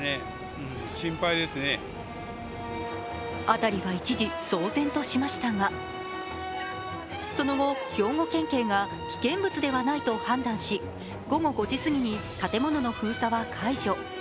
辺りは一時、騒然としましたがその後、兵庫県警が危険物ではないと判断し、午後５時過ぎに建物の封鎖は解除。